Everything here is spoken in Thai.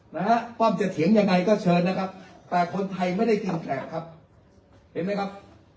นะฮะป้อมจะเถียงยังไงก็เชิญนะครับแต่คนไทยไม่ได้ทำแผลครับเห็นไหมครับ